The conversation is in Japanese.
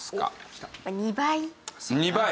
２倍。